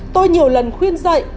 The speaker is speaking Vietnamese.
tôi nhiều lần khuyên dậy